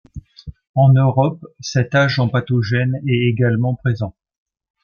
En Europe, cet agent pathogène est également présent.